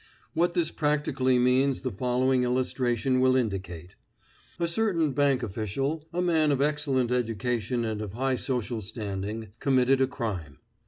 What this practically means the following illustration will indicate. A certain bank official, a man of excellent education and of high social standing, committed a crime.